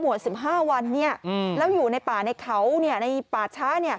หวังว่าหมวด๑๕วันแล้วอยู่ในป่าในเขาในป่าช้า